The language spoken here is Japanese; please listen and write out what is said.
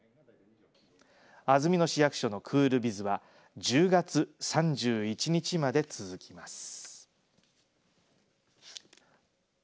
安曇野市役所のクールビズは１０月３１日まで続きます。